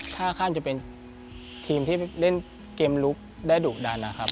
ถ้าข้ามจะเป็นทีมที่เล่นเกมลุกได้ดุดันนะครับ